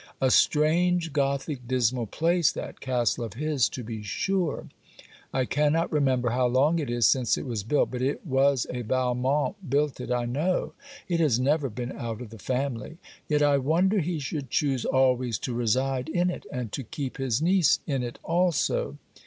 A strange Gothic dismal place that castle of his to be sure. I cannot remember how long it is since it was built; but it was a Valmont built it I know. It has never been out of the family. Yet I wonder he should choose always to reside in it; and to keep his niece in it also.